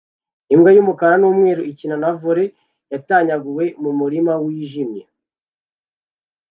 Imbwa y'umukara n'umweru ikina na volley yatanyaguwe mu murima wijimye